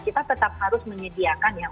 kita tetap harus menyediakan yang